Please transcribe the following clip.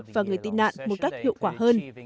và người tị nạn một cách hiệu quả hơn